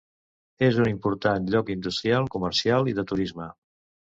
És un important lloc industrial, comercial i de turisme.